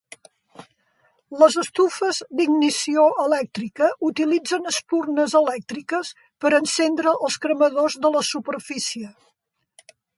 Les estufes d'ignició elèctrica utilitzen espurnes elèctriques per encendre els cremadors de la superfície.